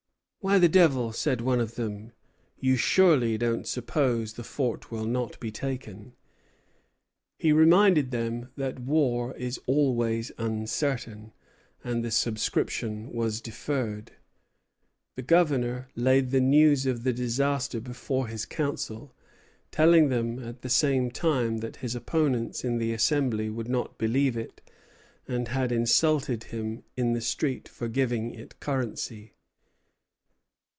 "Why, the devil!" said one of them, "you surely don't suppose the fort will not be taken?" He reminded them that war is always uncertain; and the subscription was deferred. The Governor laid the news of the disaster before his Council, telling them at the same time that his opponents in the Assembly would not believe it, and had insulted him in the street for giving it currency.